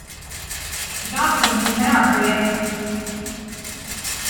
Johnson is now a free agent.